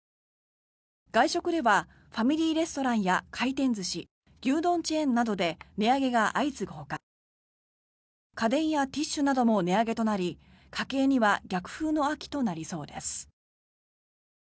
外食ではファミリーレストランや回転寿司、牛丼チェーンなどで値上げが相次ぐほか家電やティッシュなども値上げとなり家計には逆風の秋となりそうです。